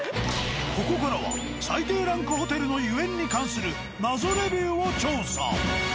ここからは最低ランクホテルのゆえんに関する謎レビューを調査。